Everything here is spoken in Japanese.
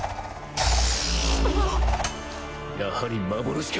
やはり幻か。